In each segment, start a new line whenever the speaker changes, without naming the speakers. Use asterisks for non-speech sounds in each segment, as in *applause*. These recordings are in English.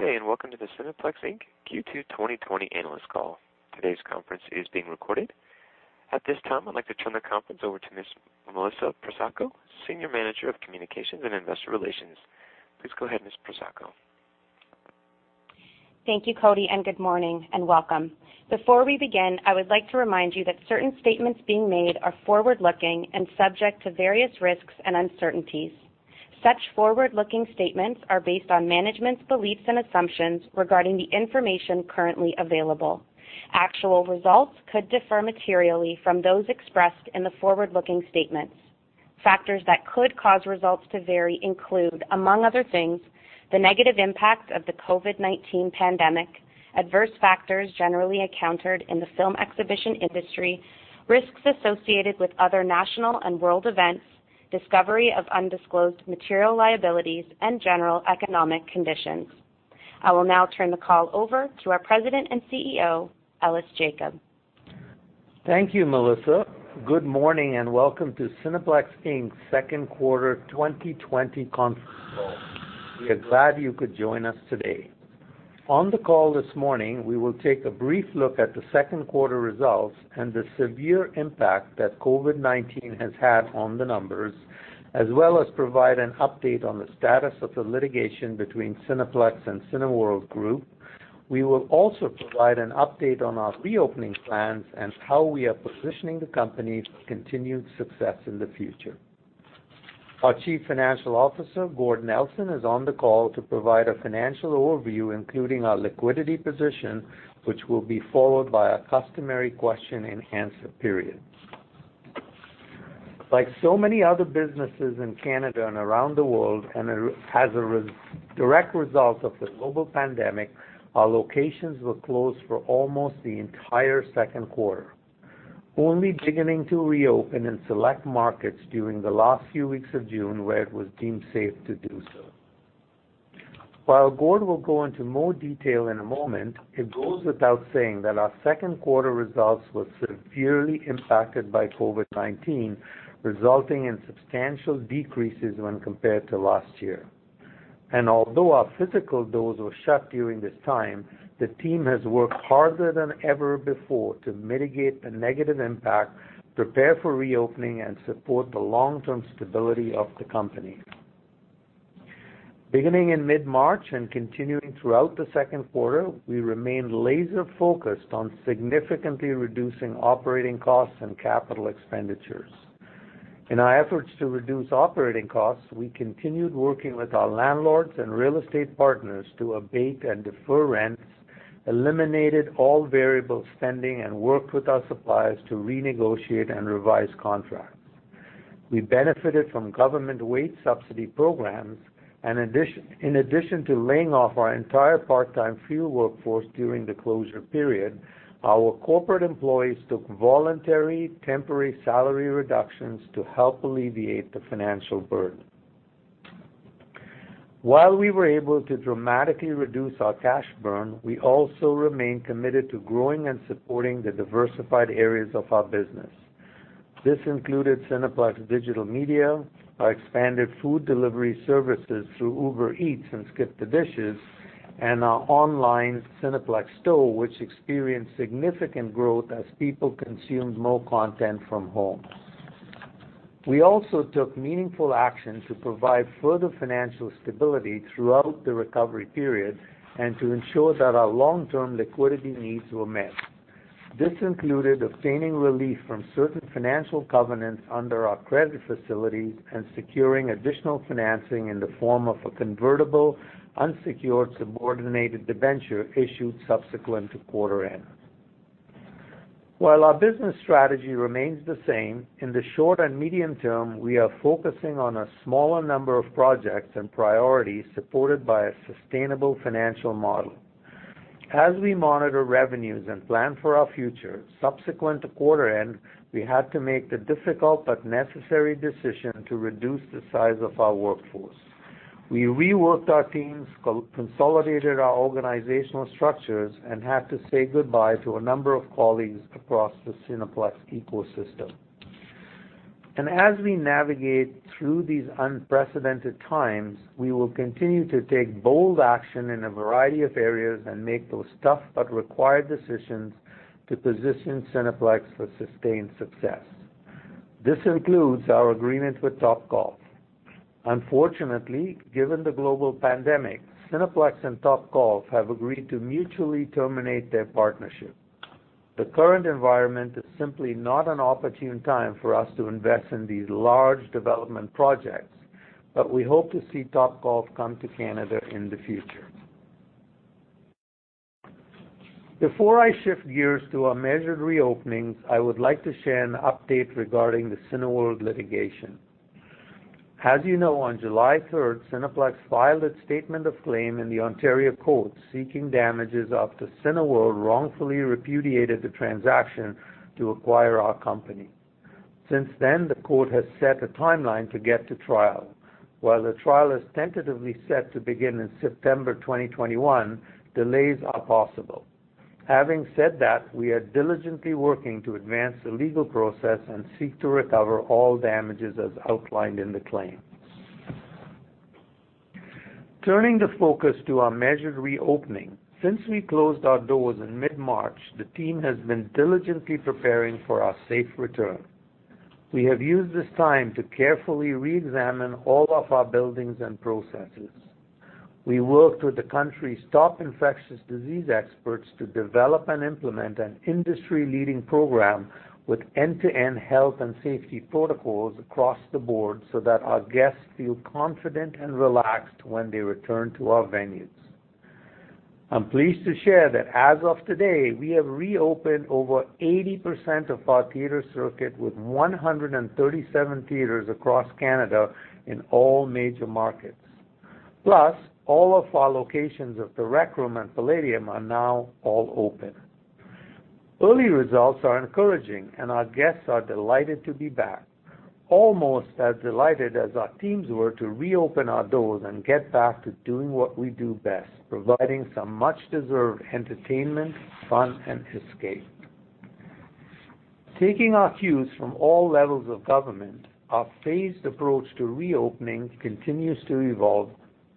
Good day, and welcome to the Cineplex Inc. Q2 2020 Analyst Call. Today's conference is being recorded. At this time, I'd like to turn the conference over to Ms. Melissa Pressacco, Senior Manager of Communications and Investor Relations. Please go ahead, Ms. Pressacco.
Thank you, Cody, and good morning, and welcome. Before we begin, I would like to remind you that certain statements being made are forward-looking and subject to various risks and uncertainties. Such forward-looking statements are based on management's beliefs and assumptions regarding the information currently available. Actual results could differ materially from those expressed in the forward-looking statements. Factors that could cause results to vary include, among other things, the negative impact of the COVID-19 pandemic, adverse factors generally encountered in the film exhibition industry, risks associated with other national and world events, discovery of undisclosed material liabilities, and general economic conditions. I will now turn the call over to our President and CEO, Ellis Jacob.
Thank you, Melissa. Good morning and welcome to Cineplex Inc.'s second quarter 2020 conference call. We are glad you could join us today. On the call this morning, we will take a brief look at the second quarter results and the severe impact that COVID-19 has had on the numbers, as well as provide an update on the status of the litigation between Cineplex and Cineworld Group. We will also provide an update on our reopening plans and how we are positioning the company for continued success in the future. Our Chief Financial Officer, Gord Nelson, is on the call to provide a financial overview, including our liquidity position, which will be followed by our customary question and answer period. Like so many other businesses in Canada and around the world, and as a direct result of the global pandemic, our locations were closed for almost the entire second quarter, only beginning to reopen in select markets during the last few weeks of June, where it was deemed safe to do so. While Gord will go into more detail in a moment, it goes without saying that our second quarter results were severely impacted by COVID-19, resulting in substantial decreases when compared to last year. Although our physical doors were shut during this time, the team has worked harder than ever before to mitigate the negative impact, prepare for reopening, and support the long-term stability of the company. Beginning in mid-March and continuing throughout the second quarter, we remained laser-focused on significantly reducing operating costs and capital expenditures. In our efforts to reduce operating costs, we continued working with our landlords and real estate partners to abate and defer rents, eliminated all variable spending, and worked with our suppliers to renegotiate and revise contracts. We benefited from government wage subsidy programs. In addition to laying off our entire part-time field workforce during the closure period, our corporate employees took voluntary temporary salary reductions to help alleviate the financial burden. While we were able to dramatically reduce our cash burn, we also remain committed to growing and supporting the diversified areas of our business. This included Cineplex Digital Media, our expanded food delivery services through Uber Eats and SkipTheDishes, and our online Cineplex Store, which experienced significant growth as people consumed more content from home. We also took meaningful action to provide further financial stability throughout the recovery period and to ensure that our long-term liquidity needs were met. This included obtaining relief from certain financial covenants under our credit facilities and securing additional financing in the form of a convertible unsecured subordinated debenture issued subsequent to quarter end. While our business strategy remains the same, in the short and medium term, we are focusing on a smaller number of projects and priorities supported by a sustainable financial model. As we monitor revenues and plan for our future, subsequent to quarter end, we had to make the difficult but necessary decision to reduce the size of our workforce. We reworked our teams, consolidated our organizational structures, and had to say goodbye to a number of colleagues across the Cineplex ecosystem. As we navigate through these unprecedented times, we will continue to take bold action in a variety of areas and make those tough but required decisions to position Cineplex for sustained success. This includes our agreement with Topgolf. Unfortunately, given the global pandemic, Cineplex and Topgolf have agreed to mutually terminate their partnership. The current environment is simply not an opportune time for us to invest in these large development projects. We hope to see Topgolf come to Canada in the future. Before I shift gears to our measured reopenings, I would like to share an update regarding the Cineworld litigation. As you know, on July 3rd, Cineplex filed its statement of claim in the Ontario Court, seeking damages after Cineworld wrongfully repudiated the transaction to acquire our company. Since then, the court has set a timeline to get to trial. While the trial is tentatively set to begin in September 2021, delays are possible. Having said that, we are diligently working to advance the legal process and seek to recover all damages as outlined in the claim. Turning the focus to our measured reopening. Since we closed our doors in mid-March, the team has been diligently preparing for our safe return. We have used this time to carefully re-examine all of our buildings and processes. We worked with the country's top infectious disease experts to develop and implement an industry-leading program with end-to-end health and safety protocols across the board so that our guests feel confident and relaxed when they return to our venues. I'm pleased to share that as of today, we have reopened over 80% of our theater circuit with 137 theaters across Canada in all major markets. All of our locations of The Rec Room and Playdium are now all open. Early results are encouraging, and our guests are delighted to be back, almost as delighted as our teams were to reopen our doors and get back to doing what we do best: providing some much-deserved entertainment, fun, and escape. Taking our cues from all levels of government, our phased approach to reopening continues to evolve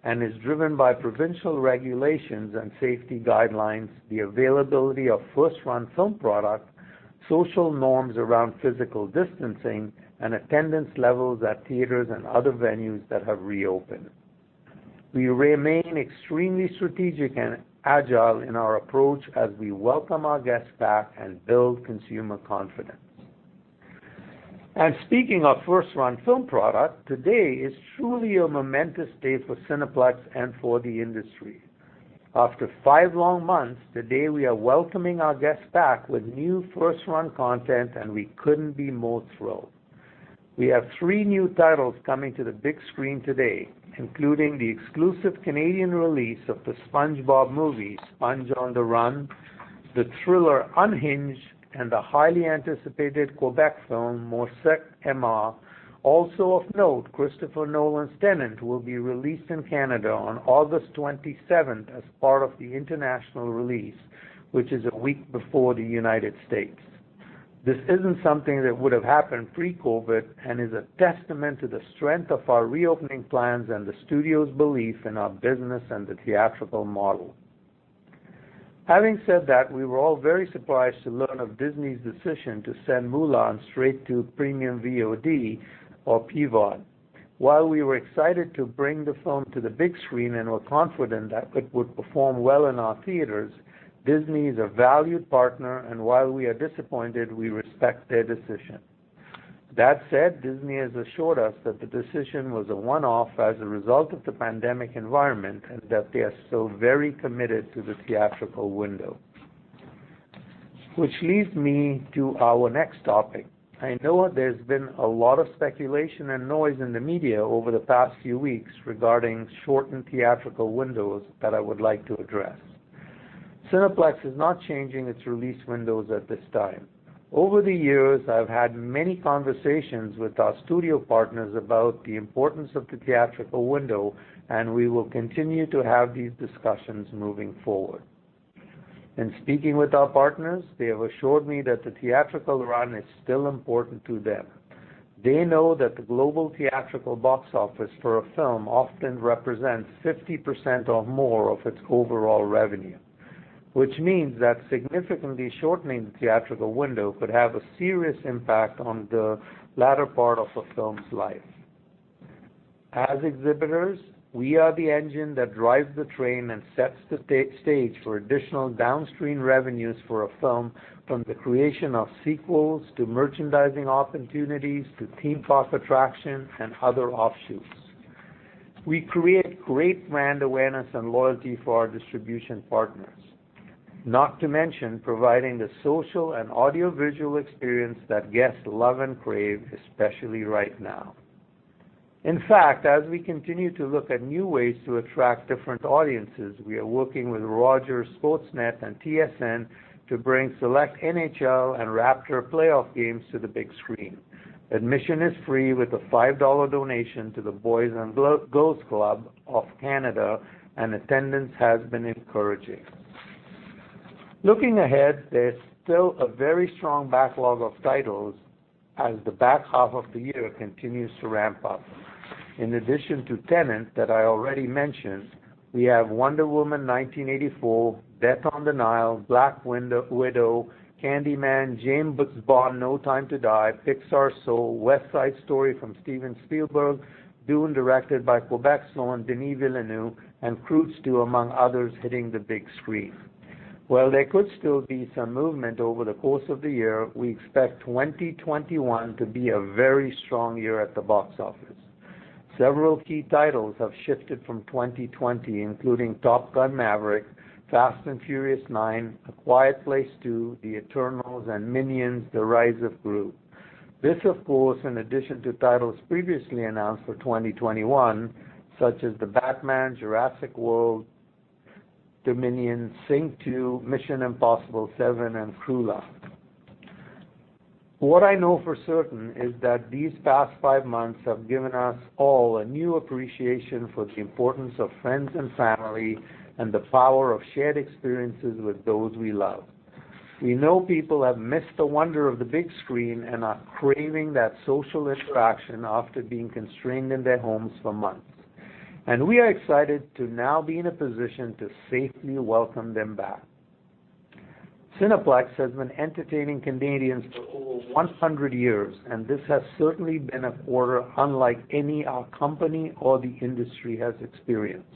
and is driven by provincial regulations and safety guidelines, the availability of first-run film product, social norms around physical distancing, and attendance levels at theaters and other venues that have reopened. We remain extremely strategic and agile in our approach as we welcome our guests back and build consumer confidence. Speaking of first-run film product, today is truly a momentous day for Cineplex and for the industry. After five long months, today we are welcoming our guests back with new first-run content, and we couldn't be more thrilled. We have three new titles coming to the big screen today, including the exclusive Canadian release of The SpongeBob Movie: Sponge on the Run, the thriller Unhinged, and the highly anticipated Quebec film. *inaudible* Also of note, Christopher Nolan's Tenet will be released in Canada on August 27th as part of the international release, which is a week before the United States. This isn't something that would have happened pre-COVID and is a testament to the strength of our reopening plans and the studio's belief in our business and the theatrical model. Having said that, we were all very surprised to learn of Disney's decision to send Mulan straight to premium VOD or PVOD. While we were excited to bring the film to the big screen and were confident that it would perform well in our theaters, Disney is a valued partner, and while we are disappointed, we respect their decision. That said, Disney has assured us that the decision was a one-off as a result of the pandemic environment and that they are still very committed to the theatrical window. Which leads me to our next topic. I know there's been a lot of speculation and noise in the media over the past few weeks regarding shortened theatrical windows that I would like to address. Cineplex is not changing its release windows at this time. Over the years, I've had many conversations with our studio partners about the importance of the theatrical window, and we will continue to have these discussions moving forward. In speaking with our partners, they have assured me that the theatrical run is still important to them. They know that the global theatrical box office for a film often represents 50% or more of its overall revenue. Significantly shortening the theatrical window could have a serious impact on the latter part of a film's life. As exhibitors, we are the engine that drives the train and sets the stage for additional downstream revenues for a film from the creation of sequels to merchandising opportunities to theme park attractions and other offshoots. We create great brand awareness and loyalty for our distribution partners. Not to mention providing the social and audiovisual experience that guests love and crave, especially right now. In fact, as we continue to look at new ways to attract different audiences, we are working with Rogers Sportsnet and TSN to bring select NHL and Raptor playoff games to the big screen. Admission is free with a 5 dollar donation to the Boys and Girls Club of Canada, and attendance has been encouraging. Looking ahead, there's still a very strong backlog of titles as the back half of the year continues to ramp up. In addition to Tenet that I already mentioned, we have Wonder Woman 1984, Death on the Nile, Black Widow, Candyman, James Bond: No Time to Die, Pixar's Soul, West Side Story from Steven Spielberg, Dune directed by Quebec's own Denis Villeneuve, and Cruella too, among others, hitting the big screen. While there could still be some movement over the course of the year, we expect 2021 to be a very strong year at the box office. Several key titles have shifted from 2020, including Top Gun: Maverick, Fast and Furious 9, A Quiet Place 2, Eternals, and Minions: The Rise of Gru. This, of course, in addition to titles previously announced for 2021, such as The Batman, Jurassic World: Dominion, Sing 2, Mission: Impossible 7, and Cruella. What I know for certain is that these past five months have given us all a new appreciation for the importance of friends and family, and the power of shared experiences with those we love. We know people have missed the wonder of the big screen and are craving that social interaction after being constrained in their homes for months. We are excited to now be in a position to safely welcome them back. Cineplex has been entertaining Canadians for over 100 years. This has certainly been a quarter unlike any our company or the industry has experienced.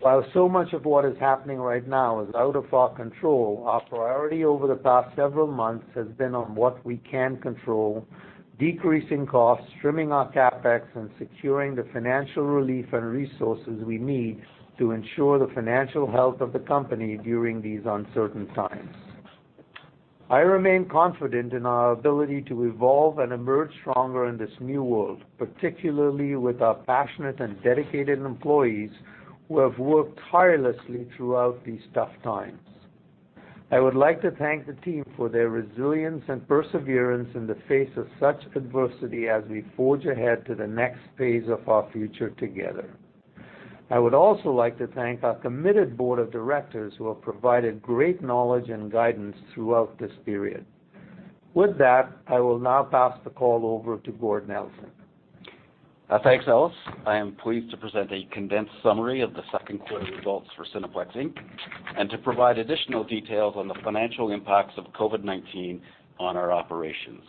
While so much of what is happening right now is out of our control, our priority over the past several months has been on what we can control, decreasing costs, trimming our CapEx, and securing the financial relief and resources we need to ensure the financial health of the company during these uncertain times. I remain confident in our ability to evolve and emerge stronger in this new world, particularly with our passionate and dedicated employees who have worked tirelessly throughout these tough times. I would like to thank the team for their resilience and perseverance in the face of such adversity as we forge ahead to the next phase of our future together. I would also like to thank our committed Board of Directors who have provided great knowledge and guidance throughout this period. With that, I will now pass the call over to Gord Nelson.
Thanks, Ellis. I am pleased to present a condensed summary of the second quarter results for Cineplex Inc., and to provide additional details on the financial impacts of COVID-19 on our operations.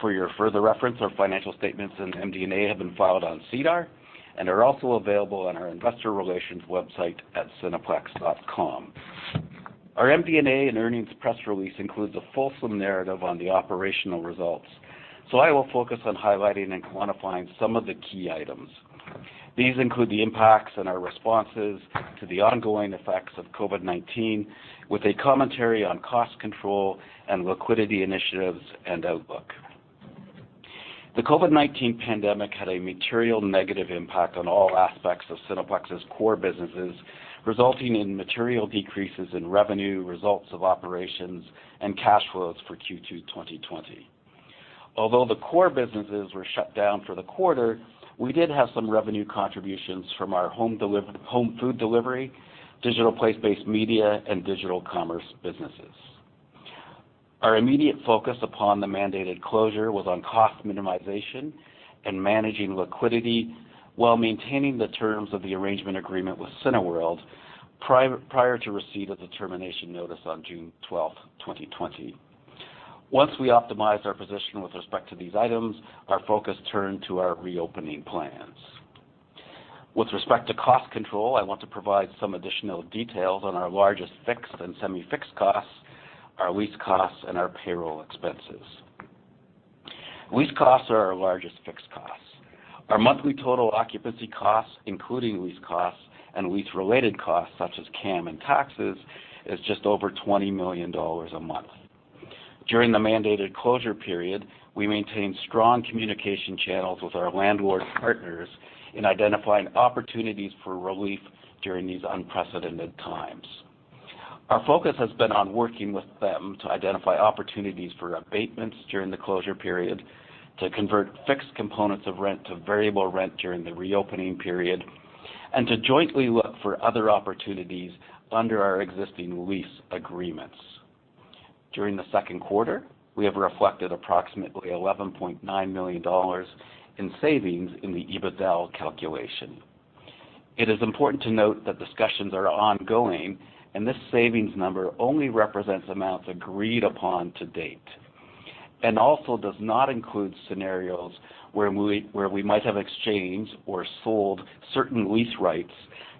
For your further reference, our financial statements and MD&A have been filed on SEDAR and are also available on our investor relations website at cineplex.com. Our MD&A and earnings press release includes a fulsome narrative on the operational results. I will focus on highlighting and quantifying some of the key items. These include the impacts and our responses to the ongoing effects of COVID-19, with a commentary on cost control and liquidity initiatives and outlook. The COVID-19 pandemic had a material negative impact on all aspects of Cineplex's core businesses, resulting in material decreases in revenue, results of operations, and cash flows for Q2 2020. Although the core businesses were shut down for the quarter, we did have some revenue contributions from our home food delivery, digital place-based media, and digital commerce businesses. Our immediate focus upon the mandated closure was on cost minimization and managing liquidity while maintaining the terms of the arrangement agreement with Cineworld prior to receipt of the termination notice on June 12th, 2020. Once we optimized our position with respect to these items, our focus turned to our reopening plans. With respect to cost control, I want to provide some additional details on our largest fixed and semi-fixed costs, our lease costs, and our payroll expenses. Lease costs are our largest fixed costs. Our monthly total occupancy costs, including lease costs and lease related costs such as CAM and taxes, is just over 20 million dollars a month. During the mandated closure period, we maintained strong communication channels with our landlord partners in identifying opportunities for relief during these unprecedented times. Our focus has been on working with them to identify opportunities for abatements during the closure period, to convert fixed components of rent to variable rent during the reopening period, and to jointly look for other opportunities under our existing lease agreements. During the second quarter, we have reflected approximately 11.9 million dollars in savings in the EBITDAaL calculation. It is important to note that discussions are ongoing, and this savings number only represents amounts agreed upon to date, and also does not include scenarios where we might have exchanged or sold certain lease rights,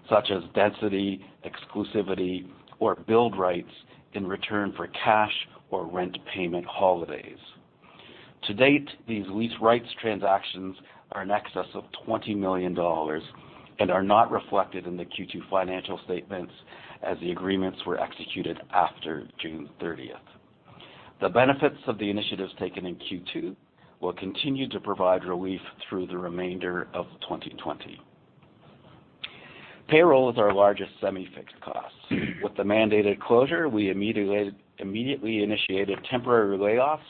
such as density, exclusivity, or build rights in return for cash or rent payment holidays. To date, these lease rights transactions are in excess of 20 million dollars and are not reflected in the Q2 financial statements as the agreements were executed after June 30th. The benefits of the initiatives taken in Q2 will continue to provide relief through the remainder of 2020. Payroll is our largest semi-fixed cost. With the mandated closure, we immediately initiated temporary layoffs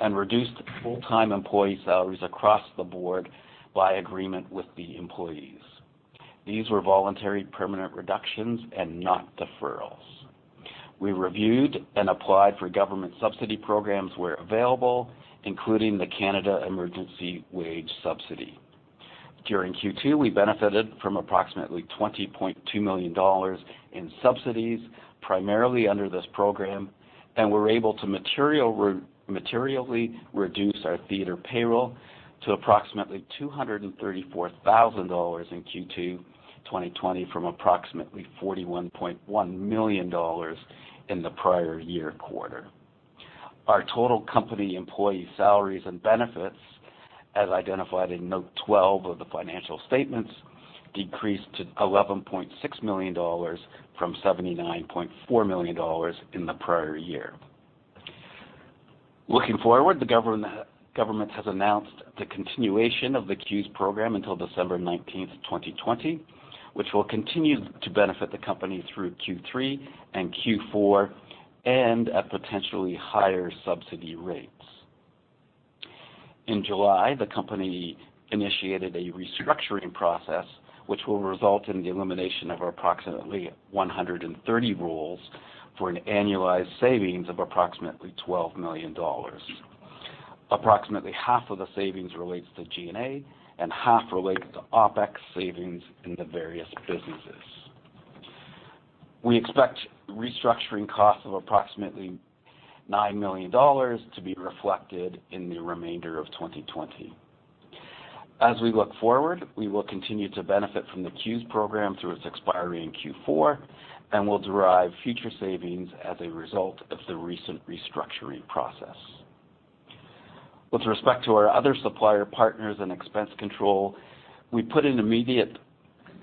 and reduced full-time employee salaries across the board by agreement with the employees. These were voluntary permanent reductions and not deferrals. We reviewed and applied for government subsidy programs where available, including the Canada Emergency Wage Subsidy. During Q2, we benefited from approximately 20.2 million dollars in subsidies, primarily under this program, and were able to materially reduce our theater payroll to approximately 234,000 dollars in Q2 2020 from approximately 41.1 million dollars in the prior year quarter. Our total company employee salaries and benefits, as identified in note 12 of the financial statements, decreased to 11.6 million dollars from 79.4 million dollars in the prior year. Looking forward, the government has announced the continuation of the CEWS program until December 19th, 2020. Which will continue to benefit the company through Q3 and Q4 and at potentially higher subsidy rates. In July, the company initiated a restructuring process which will result in the elimination of approximately 130 roles for an annualized savings of approximately 12 million dollars. Approximately half of the savings relates to G&A and half relates to OpEx savings in the various businesses. We expect restructuring costs of approximately 9 million dollars to be reflected in the remainder of 2020. As we look forward, we will continue to benefit from the CEWS program through its expiry in Q4, and we'll derive future savings as a result of the recent restructuring process. With respect to our other supplier partners and expense control, we put an immediate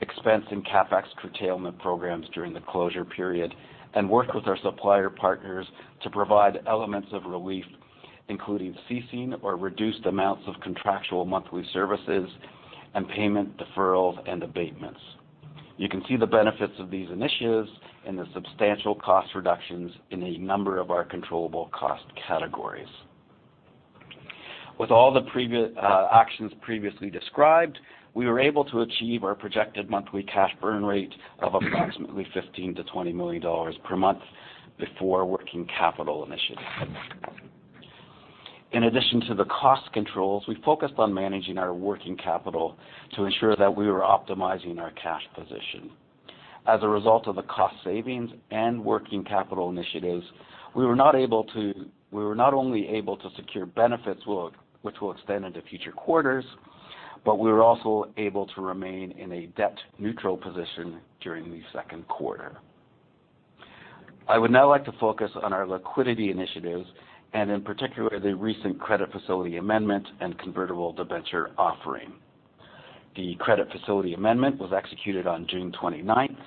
expense in CapEx curtailment programs during the closure period and worked with our supplier partners to provide elements of relief, including ceasing or reduced amounts of contractual monthly services and payment deferrals and abatements. You can see the benefits of these initiatives in the substantial cost reductions in a number of our controllable cost categories. With all the actions previously described, we were able to achieve our projected monthly cash burn rate of approximately 15 million-20 million dollars per month before working capital initiatives. In addition to the cost controls, we focused on managing our working capital to ensure that we were optimizing our cash position. As a result of the cost savings and working capital initiatives, we were not only able to secure benefits which will extend into future quarters, but we were also able to remain in a debt-neutral position during the second quarter. I would now like to focus on our liquidity initiatives and in particular, the recent credit facility amendment and convertible debenture offering. The credit facility amendment was executed on June 29th,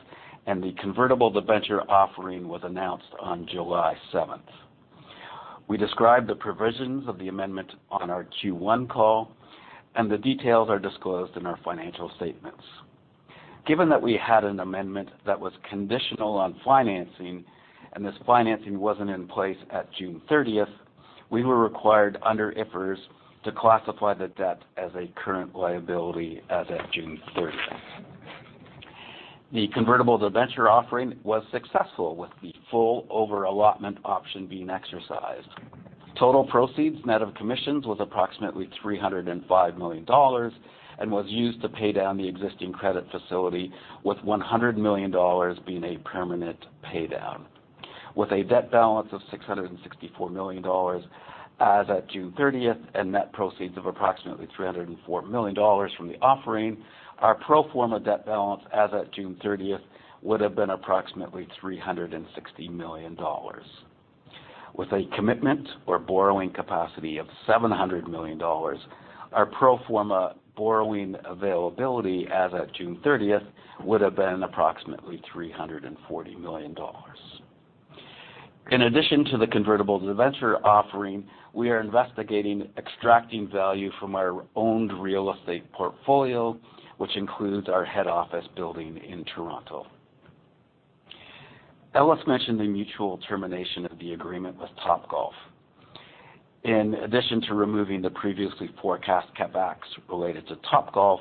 and the convertible debenture offering was announced on July 7th. We described the provisions of the amendment on our Q1 call, and the details are disclosed in our financial statements. Given that we had an amendment that was conditional on financing and this financing wasn't in place at June 30th, we were required under IFRS to classify the debt as a current liability as of June 30th. The convertible debenture offering was successful, with the full over-allotment option being exercised. Total proceeds net of commissions was approximately 305 million dollars and was used to pay down the existing credit facility, with 100 million dollars being a permanent paydown. With a debt balance of 664 million dollars as of June 30th and net proceeds of approximately 304 million dollars from the offering, our pro forma debt balance as of June 30th would have been approximately 360 million dollars. With a commitment or borrowing capacity of 700 million dollars, our pro forma borrowing availability as of June 30th would have been approximately 340 million dollars. In addition to the convertible debenture offering, we are investigating extracting value from our owned real estate portfolio, which includes our head office building in Toronto. Ellis mentioned the mutual termination of the agreement with Topgolf. In addition to removing the previously forecast CapEx related to Topgolf,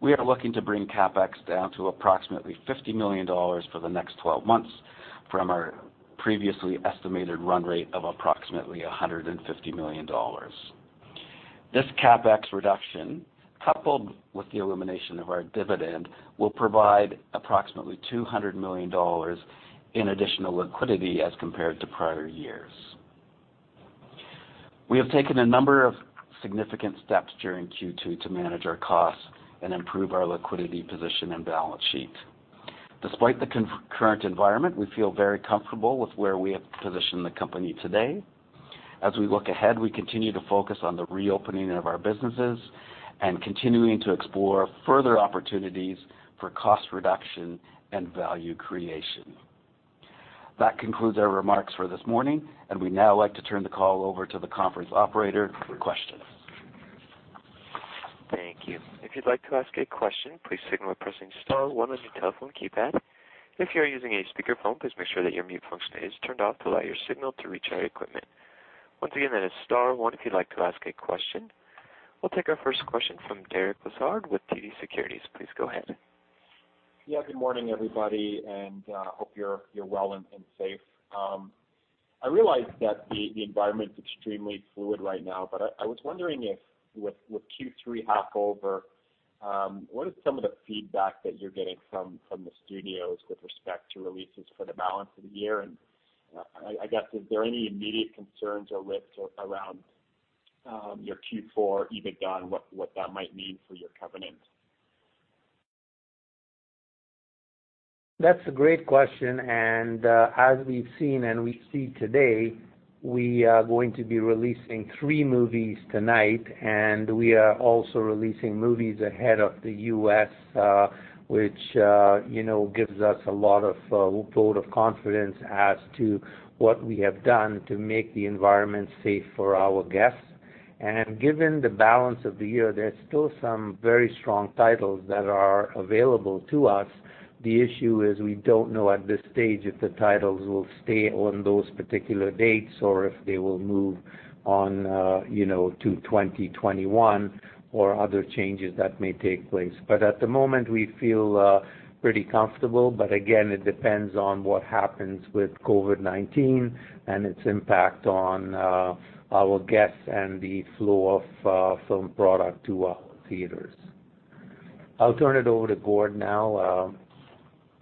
we are looking to bring CapEx down to approximately 50 million dollars for the next 12 months from our previously estimated run rate of approximately 150 million dollars. This CapEx reduction, coupled with the elimination of our dividend, will provide approximately 200 million dollars in additional liquidity as compared to prior years. We have taken a number of significant steps during Q2 to manage our costs and improve our liquidity position and balance sheet. Despite the current environment, we feel very comfortable with where we have positioned the company today. As we look ahead, we continue to focus on the reopening of our businesses and continuing to explore further opportunities for cost reduction and value creation. That concludes our remarks for this morning, and we'd now like to turn the call over to the conference operator for questions.
Thank you. If you'd like to ask a question, please signal by pressing star one on your telephone keypad. If you are using a speakerphone, please make sure that your mute function is turned off to allow your signal to reach our equipment. Once again, that is star one if you'd like to ask a question. We'll take our first question from Derek Lessard with TD Securities. Please go ahead.
Yeah, good morning, everybody, and hope you're well and safe. I realize that the environment is extremely fluid right now, but I was wondering if with Q3 half over, what is some of the feedback that you're getting from the studios with respect to releases for the balance of the year? I guess, is there any immediate concerns or risks around your Q4 EBITDA and what that might mean for your covenant?
That's a great question. As we've seen and we see today, we are going to be releasing three movies tonight. We are also releasing movies ahead of the U.S., which gives us a lot of vote of confidence as to what we have done to make the environment safe for our guests. Given the balance of the year, there's still some very strong titles that are available to us. The issue is we don't know at this stage if the titles will stay on those particular dates or if they will move on to 2021 or other changes that may take place. At the moment, we feel pretty comfortable. Again, it depends on what happens with COVID-19 and its impact on our guests and the flow of film product to our theaters. I'll turn it over to Gord now.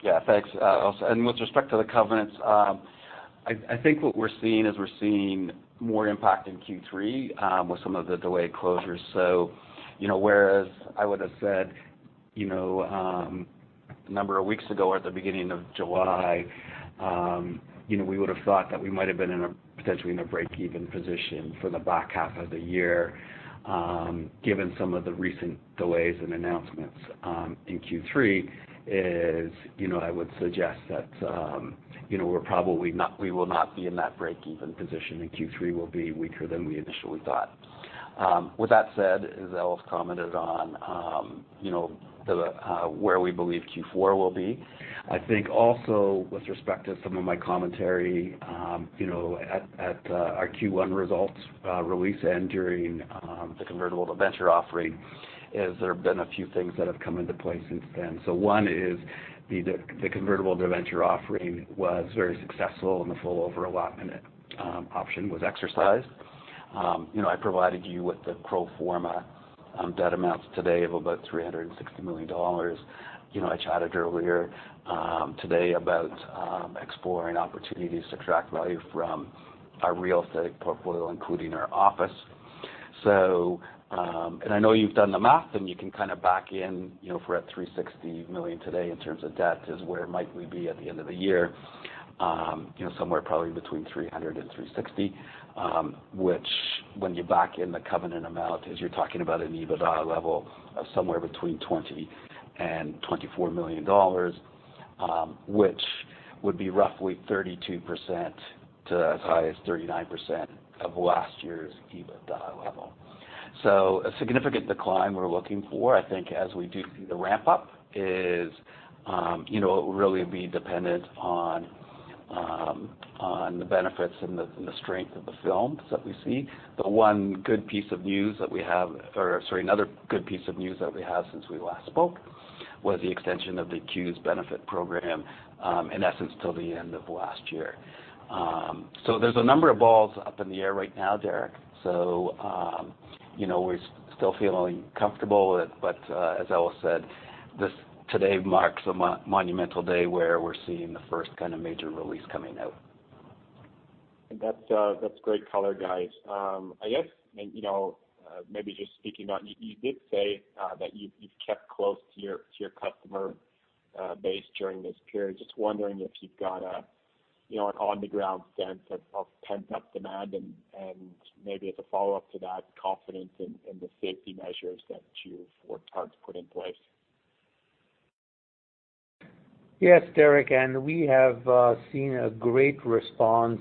Yeah, thanks. With respect to the covenants, I think what we're seeing is we're seeing more impact in Q3 with some of the delayed closures. Whereas I would've said a number of weeks ago or at the beginning of July, we would've thought that we might have been potentially in a breakeven position for the back half of the year. Given some of the recent delays and announcements in Q3, I would suggest that we will not be in that breakeven position and Q3 will be weaker than we initially thought. With that said, as Ellis commented on where we believe Q4 will be, I think also with respect to some of my commentary at our Q1 results release and during the convertible debenture offering, is there have been a few things that have come into play since then. One is the convertible debenture offering was very successful and the full over-allotment option was exercised. I provided you with the pro forma debt amounts today of about 360 million dollars. I chatted earlier today about exploring opportunities to track value from our real estate portfolio, including our office. I know you've done the math, and you can kind of back in if we're at 360 million today in terms of debt is where might we be at the end of the year. Somewhere probably between 300 million-360 million, which when you back in the covenant amount is you're talking about an EBITDA level of somewhere between 20 million-24 million dollars, which would be roughly 32%-39% of last year's EBITDA level. A significant decline we're looking for, I think, as we do see the ramp-up is really be dependent on the benefits and the strength of the films that we see. Another good piece of news that we have since we last spoke was the extension of the CEWS benefit program, in essence, till the end of last year. There's a number of balls up in the air right now, Derek. We're still feeling comfortable with, but as Ellis said, today marks a monumental day where we're seeing the first kind of major release coming out.
That's great color, guys. You did say that you've kept close to your customer base during this period. Just wondering if you've got an on-the-ground sense of pent-up demand and maybe as a follow-up to that, confidence in the safety measures that you've worked hard to put in place?
Yes, Derek, we have seen a great response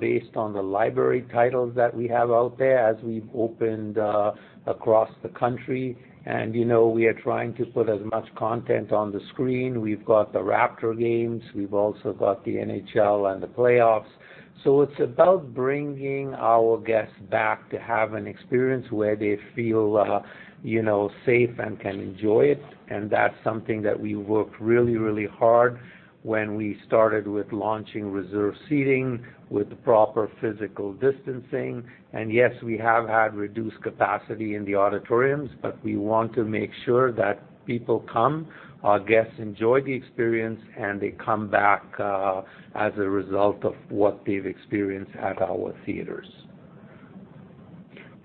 based on the library titles that we have out there as we've opened across the country. We are trying to put as much content on the screen. We've got the Raptors games. We've also got the NHL and the playoffs. It's about bringing our guests back to have an experience where they feel safe and can enjoy it. That's something that we worked really hard when we started with launching reserve seating with proper physical distancing. Yes, we have had reduced capacity in the auditoriums, but we want to make sure that people come, our guests enjoy the experience, and they come back as a result of what they've experienced at our theaters.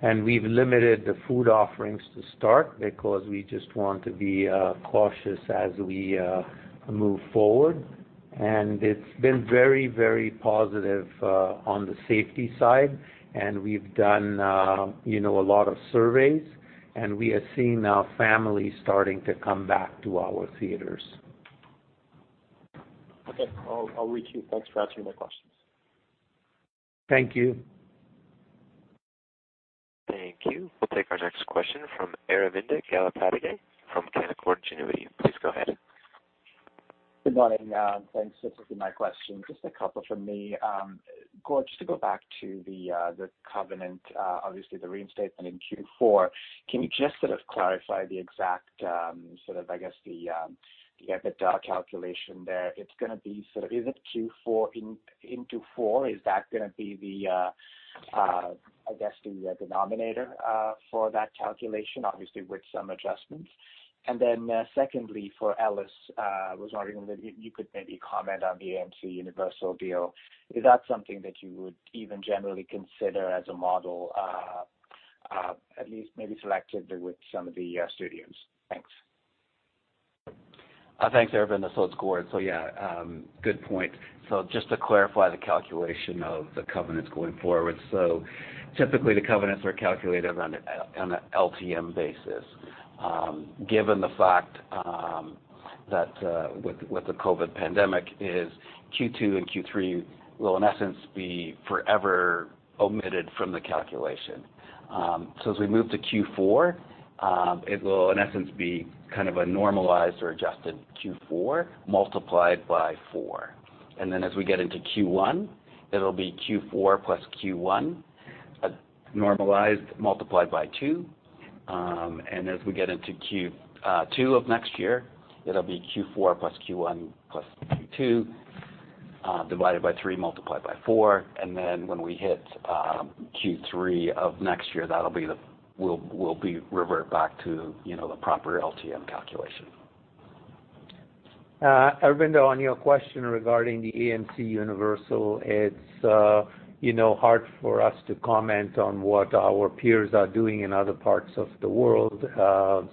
We've limited the food offerings to start because we just want to be cautious as we move forward. It's been very positive on the safety side. We've done a lot of surveys, and we are seeing our families starting to come back to our theaters.
Okay. I'll let you. Thanks for answering my questions.
Thank you.
Thank you. We'll take our next question from Aravinda Galappatthige from Canaccord Genuity. Please go ahead.
Good morning. Thanks for taking my question. Just a couple from me. Gord, just to go back to the covenant, obviously the reinstatement in Q4. Can you just sort of clarify the exact EBITDA calculation there? Is it Q4 into four? Is that going to be I guess the denominator for that calculation, obviously with some adjustments? Secondly, for Ellis, I was wondering whether you could maybe comment on the AMC Universal deal. Is that something that you would even generally consider as a model at least maybe selectively with some of the studios? Thanks.
Thanks, Aravinda. It's Gord. Yeah, good point. Just to clarify the calculation of the covenants going forward. Typically, the covenants are calculated on an LTM basis. Given the fact that with the COVID-19 pandemic, Q2 and Q3 will, in essence, be forever omitted from the calculation. As we move to Q4, it will, in essence, be kind of a normalized or adjusted Q4 multiplied by 4. As we get into Q1, it'll be Q4 plus Q1, normalized, multiplied by 2. As we get into Q2 of next year, it'll be Q4 plus Q1 plus Q2, divided by 3, multiplied by 4. When we hit Q3 of next year, we'll revert back to the proper LTM calculation.
Aravinda, on your question regarding the AMC Universal, it's hard for us to comment on what our peers are doing in other parts of the world,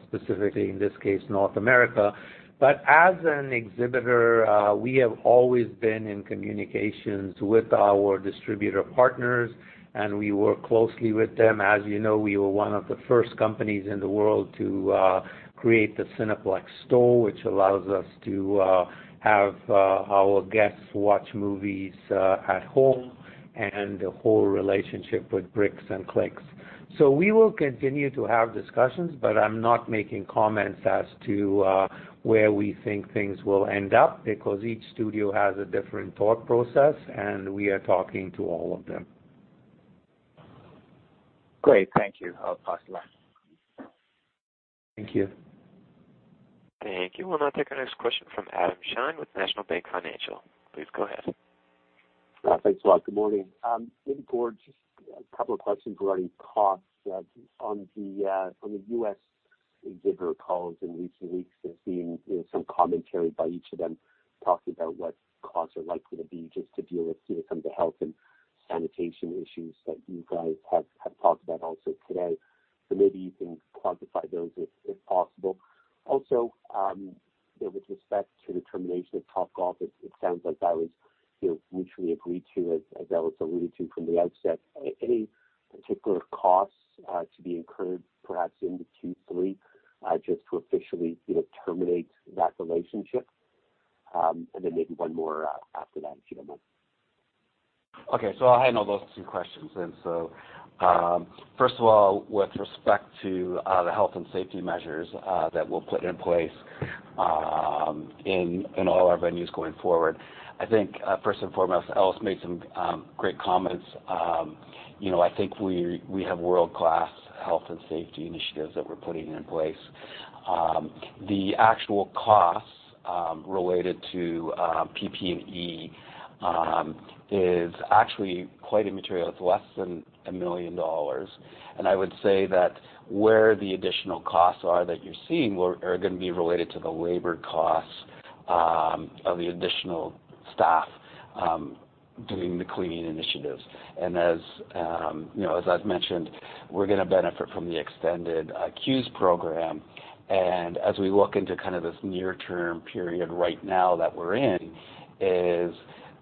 specifically, in this case, North America. As an exhibitor, we have always been in communications with our distributor partners, and we work closely with them. As you know, we were one of the first companies in the world to create the Cineplex Store, which allows us to have our guests watch movies at home, and the whole relationship with bricks and clicks. We will continue to have discussions, but I'm not making comments as to where we think things will end up, because each studio has a different thought process, and we are talking to all of them.
Great. Thank you. I'll pass along.
Thank you.
Thank you. We'll now take our next question from Adam Shine with National Bank Financial. Please go ahead.
Thanks a lot. Good morning. Maybe, Gord, just a couple of questions regarding costs. On the U.S. exhibitor calls in recent weeks, there's been some commentary by each of them talking about what costs are likely to be just to deal with some of the health and sanitation issues that you guys have talked about also today. Maybe you can quantify those if possible. Also, with respect to the termination of Topgolf, it sounds like that was mutually agreed to, as Ellis alluded to from the outset. Any particular costs to be incurred, perhaps into Q3, just to officially terminate that relationship? Then maybe one more after that, if you don't mind.
I'll handle those two questions. First of all, with respect to the health and safety measures that we'll put in place in all our venues going forward, I think first and foremost, Ellis made some great comments. I think we have world-class health and safety initiatives that we're putting in place. The actual costs related to PP&E is actually quite immaterial. It's less than 1 million dollars. I would say that where the additional costs are that you're seeing are going to be related to the labor costs of the additional staff doing the cleaning initiatives. As I've mentioned, we're going to benefit from the extended CEWS program. As we look into Canada's near-term period right now that we're in, is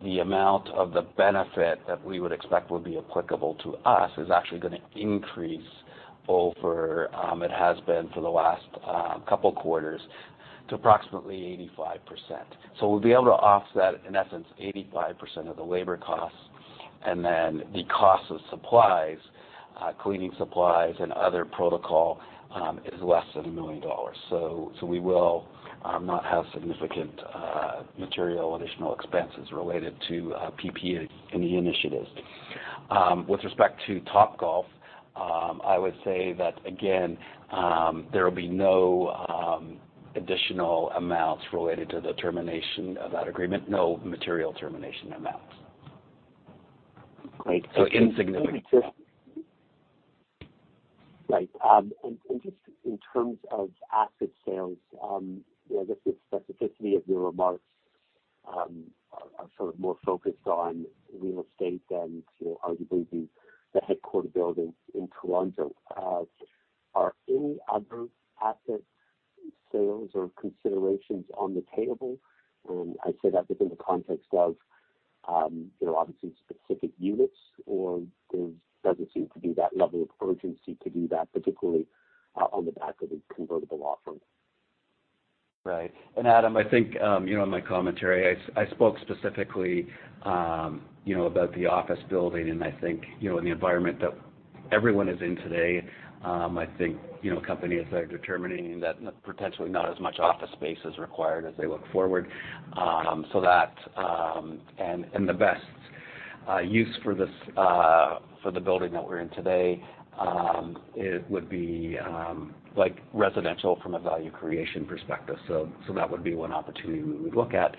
the amount of the benefit that we would expect would be applicable to us is actually going to increase over, it has been for the last couple of quarters to approximately 85%. We'll be able to offset, in essence, 85% of the labor costs. The cost of supplies, cleaning supplies, and other protocol is less than 1 million dollars. We will not have significant material additional expenses related to PP&E initiatives. With respect to Topgolf, I would say that again, there will be no additional amounts related to the termination of that agreement, no material termination amounts.
Great.
Insignificant.
Right. Just in terms of asset sales, I guess the specificity of your remarks are sort of more focused on real estate than to arguably the headquarter buildings in Toronto. Are any other asset sales or considerations on the table? I say that within the context of obviously specific units, or there doesn't seem to be that level of urgency to do that, particularly on the back of a convertible offer.
Right. Adam, I think in my commentary, I spoke specifically about the office building, and I think in the environment that everyone is in today, I think companies are determining that potentially not as much office space is required as they look forward. The best use for the building that we're in today would be residential from a value creation perspective. That would be one opportunity we would look at.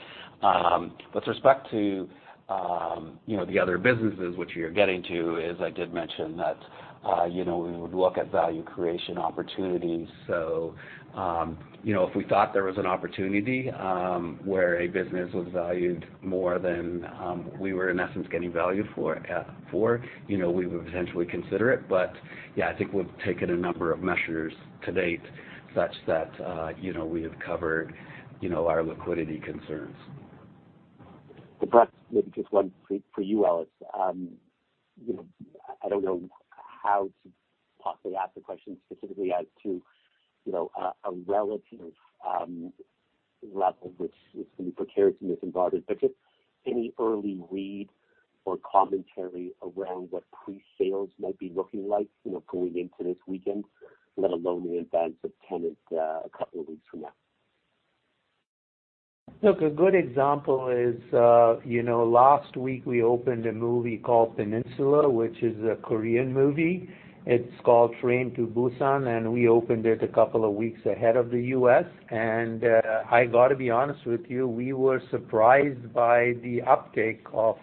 With respect to the other businesses, which you're getting to, is I did mention that we would look at value creation opportunities. If we thought there was an opportunity where a business was valued more than we were, in essence, getting value for, we would potentially consider it. Yeah, I think we've taken a number of measures to date such that we have covered our liquidity concerns.
The last, maybe just one for you, Ellis. I don't know how to possibly ask the question specifically as to a relative level which is going to be precarious in this environment, but just any early read or commentary around what pre-sales might be looking like going into this weekend, let alone the advance of Tenet a couple of weeks from now?
Look, a good example is last week we opened a movie called Peninsula, which is a Korean movie. It's called Train to Busan, and we opened it a couple of weeks ahead of the U.S., and I got to be honest with you, we were surprised by the uptake of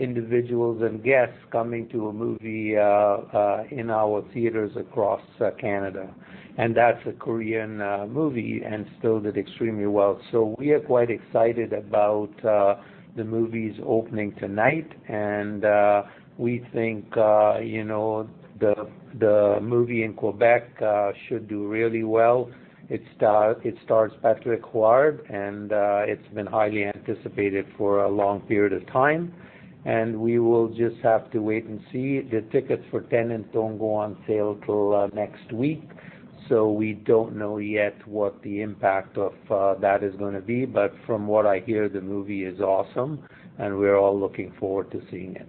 individuals and guests coming to a movie in our theaters across Canada, and that's a Korean movie, and still did extremely well. We are quite excited about the movies opening tonight, and we think the movie in Quebec should do really well. It stars Patrick Huard, and it's been highly anticipated for a long period of time, and we will just have to wait and see. The tickets for Tenet don't go on sale till next week, so we don't know yet what the impact of that is going to be. From what I hear, the movie is awesome and we're all looking forward to seeing it.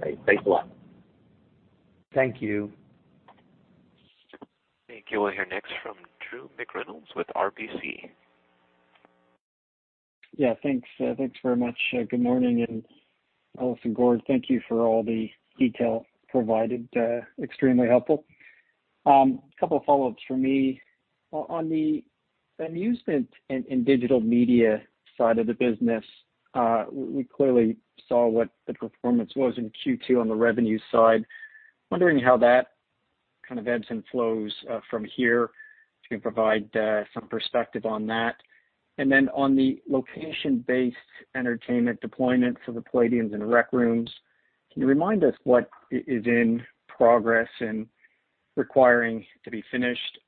Great. Thanks a lot.
Thank you.
Thank you. We'll hear next from Drew McReynolds with RBC.
Thanks. Thanks very much. Good morning, Ellis and Gord, thank you for all the detail provided. Extremely helpful. Couple follow-ups from me. On the *inaudible* and digital media side of the business, we clearly saw what the performance was on Q2 on the revenue side. I'm wondering how that kind of ebbs and flows from here. If you can provide some perspective on that. On the location-based entertainment deployment for the Playdium and Rec Rooms, can you remind us what is in progress and requiring to be finished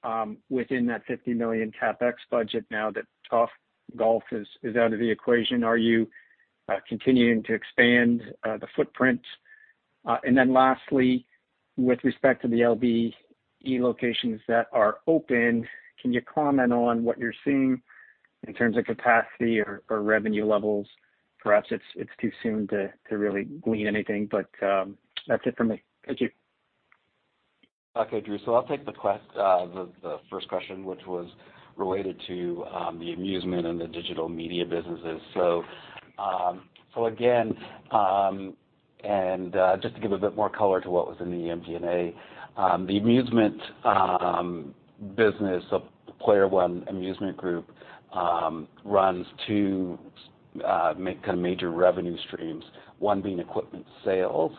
within that 50 million CapEx budget now that Topgolf is out of the equation? Are you continuing to expand the footprint? Lastly, with respect to the LBE locations that are open, can you comment on what you're seeing in terms of capacity or revenue levels? Perhaps it's too soon to really glean anything, but that's it for me. Thank you.
Okay, Drew. I'll take the first question, which was related to the amusement and the digital media businesses. Again, and just to give a bit more color to what was in the MD&A, the amusement business of Player One Amusement Group runs two kind of major revenue streams, one being equipment sales,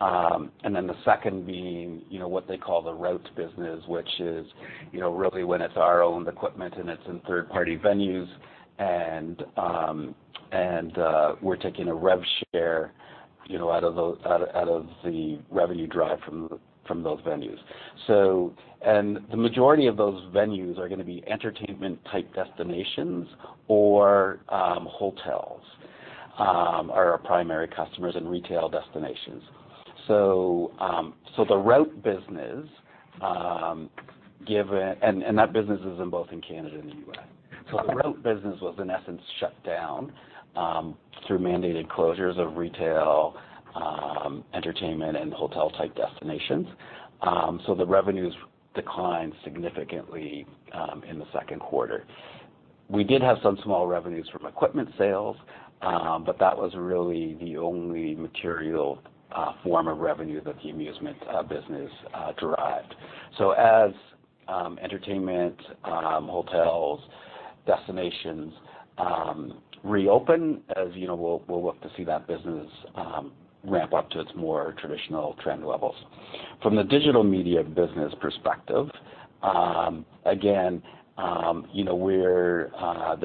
and then the second being what they call the routes business, which is really when it's our own equipment and it's in third-party venues and we're taking a rev share out of the revenue derived from those venues. The majority of those venues are going to be entertainment-type destinations or hotels, or our primary customers, and retail destinations. The route business, and that business is in both in Canada and the U.S. The route business was, in essence, shut down through mandated closures of retail, entertainment, and hotel-type destinations. The revenues declined significantly in the second quarter. We did have some small revenues from equipment sales, but that was really the only material form of revenue that the amusement business derived. As entertainment, hotels, destinations reopen, as you know, we will look to see that business ramp up to its more traditional trend levels. From the digital media business perspective, again, there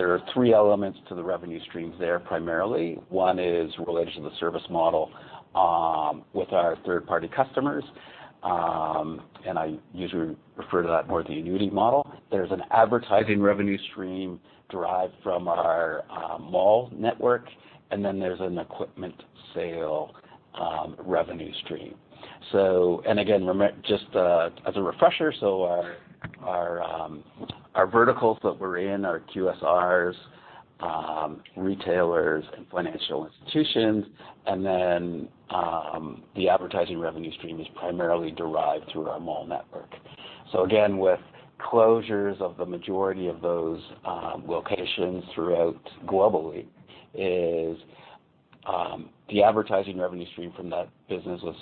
are three elements to the revenue streams there, primarily. One is related to the service model with our third-party customers, and I usually refer to that more as the annuity model. There is an advertising revenue stream derived from our mall network, and then there is an equipment sale revenue stream. Again, just as a refresher, our verticals that we are in are QSRs, retailers, and financial institutions, and then the advertising revenue stream is primarily derived through our mall network. Again, with closures of the majority of those locations throughout globally, the advertising revenue stream from that business was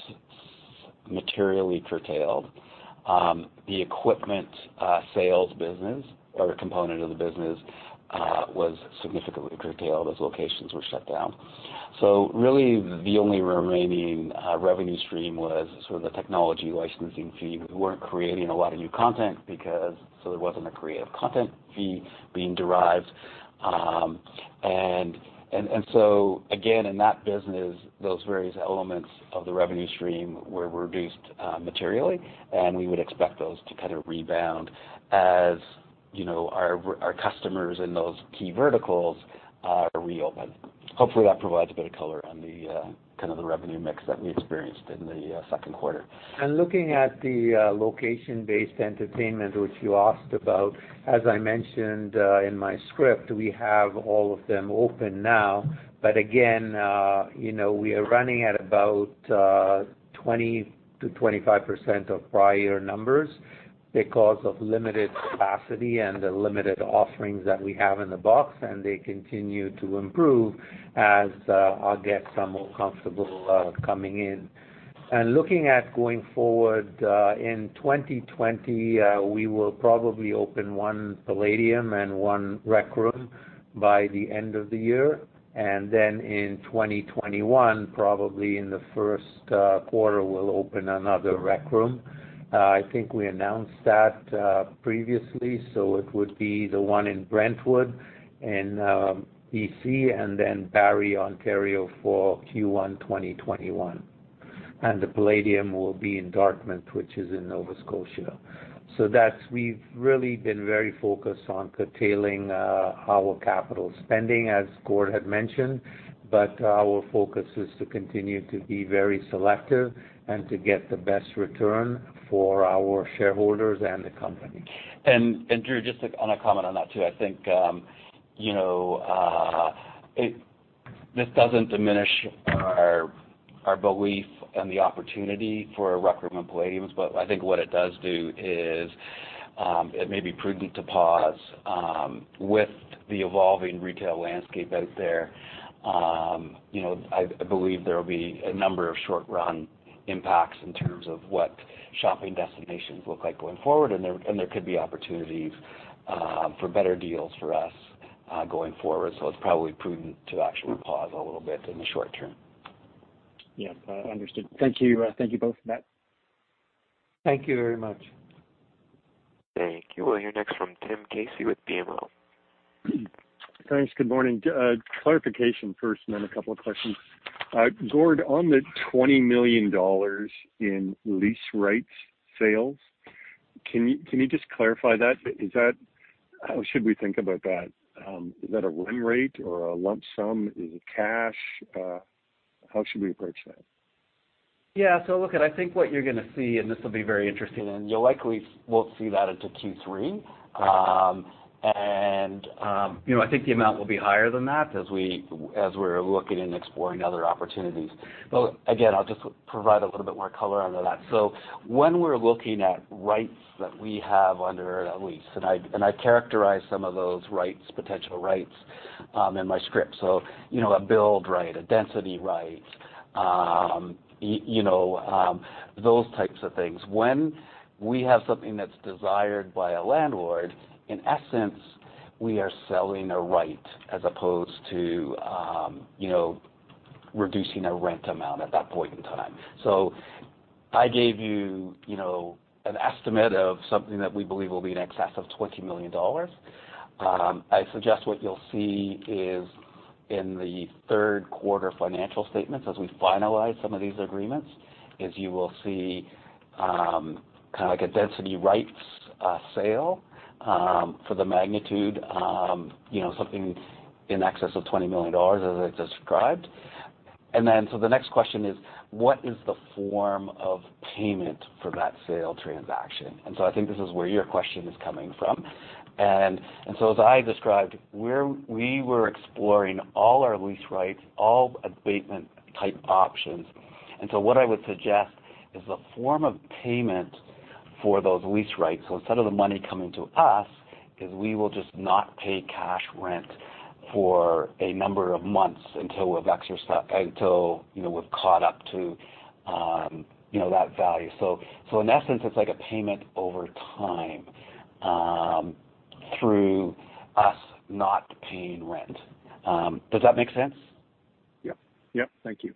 materially curtailed. The equipment sales business or component of the business was significantly curtailed as locations were shut down. Really the only remaining revenue stream was sort of the technology licensing fee. We weren't creating a lot of new content because there wasn't a creative content fee being derived. Again, in that business, those various elements of the revenue stream were reduced materially, and we would expect those to kind of rebound as our customers in those key verticals are reopened. Hopefully, that provides a bit of color on the kind of revenue mix that we experienced in the second quarter.
Looking at the location-based entertainment, which you asked about, as I mentioned in my script, we have all of them open now. Again, we are running at about 20%-25% of prior numbers because of limited capacity and the limited offerings that we have in the box, and they continue to improve as our guests are more comfortable coming in. Looking at going forward, in 2020, we will probably open one Playdium and one Rec Room by the end of the year. Then in 2021, probably in the first quarter, we will open another Rec Room. I think we announced that previously, so it would be the one in Brentwood in B.C., and then Barrie, Ontario for Q1 2021. The Playdium will be in Dartmouth, which is in Nova Scotia. We have really been very focused on curtailing our capital spending, as Gord had mentioned. Our focus is to continue to be very selective and to get the best return for our shareholders and the company.
Drew, just on a comment on that, too. I think this doesn't diminish our belief and the opportunity for Rec Room and Playdium, but I think what it does do is it may be prudent to pause with the evolving retail landscape out there. I believe there will be a number of short-run impacts in terms of what shopping destinations look like going forward, and there could be opportunities for better deals for us going forward. It's probably prudent to actually pause a little bit in the short term.
Yes, understood. Thank you both for that.
Thank you very much.
Thank you. We'll hear next from Tim Casey with BMO.
Thanks. Good morning. Clarification first, then a couple of questions. Gord, on the 20 million dollars in lease rights sales, can you just clarify that? How should we think about that? Is that a run rate or a lump sum? Is it cash? How should we approach that?
Yeah. Look, I think what you're going to see, and this will be very interesting, and you likely will see that into Q3.
Okay.
I think the amount will be higher than that as we're looking and exploring other opportunities. Again, I'll just provide a little bit more color onto that. When we're looking at rights that we have under a lease, and I characterized some of those potential rights in my script. A build right, a density right, those types of things. When we have something that's desired by a landlord, in essence, we are selling a right as opposed to reducing a rent amount at that point in time. I gave you an estimate of something that we believe will be in excess of 20 million dollars. I suggest what you'll see is in the third quarter financial statements, as we finalize some of these agreements, is you will see kind of like a density rights sale for the magnitude, something in excess of 20 million dollars, as I described. The next question is: what is the form of payment for that sale transaction? I think this is where your question is coming from. As I described, we were exploring all our lease rights, all abatement type options. What I would suggest is the form of payment for those lease rights. Instead of the money coming to us, is we will just not pay cash rent for a number of months until we've caught up to that value. In essence, it's like a payment over time through us not paying rent. Does that make sense?
Yep. Thank you.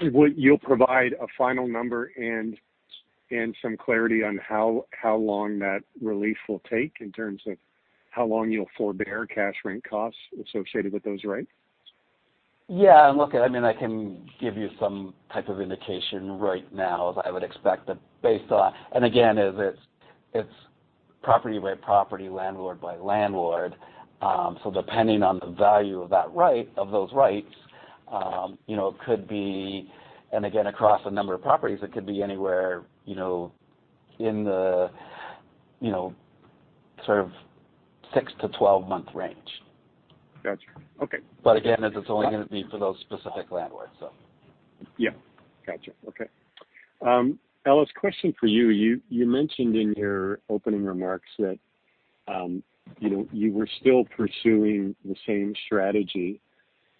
You'll provide a final number and some clarity on how long that relief will take in terms of how long you'll forego cash rent costs associated with those rights?
Yeah. Look, I can give you some type of indication right now as I would expect that based on-- and again, it's property by property, landlord by landlord. Depending on the value of those rights, it could be, and again, across a number of properties, it could be anywhere in the sort of 6-12 month range.
Got you. Okay.
Again, as it's only going to be for those specific landlords.
Yeah. Got you. Okay. Ellis, question for you. You mentioned in your opening remarks that you were still pursuing the same strategy.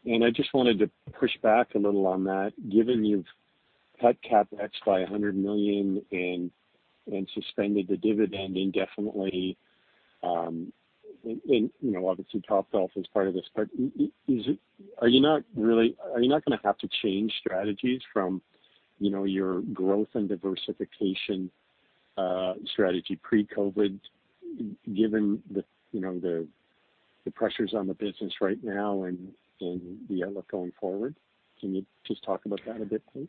I just wanted to push back a little on that, given you've cut CapEx by 100 million and suspended the dividend indefinitely, and obviously topped off as part of this. Are you not going to have to change strategies from your growth and diversification strategy pre-COVID? Given the pressures on the business right now and the outlook going forward, can you just talk about that a bit, please?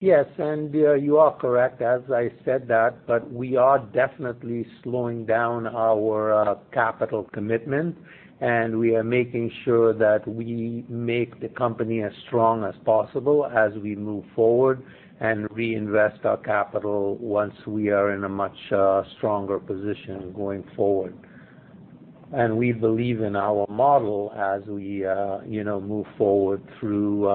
Yes, you are correct, as I said that, we are definitely slowing down our capital commitment, and we are making sure that we make the company as strong as possible as we move forward and reinvest our capital once we are in a much stronger position going forward. We believe in our model as we move forward through